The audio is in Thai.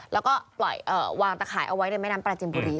แล้วก็วางตะขายเอาไว้ใน้นามปลาจีนบุรี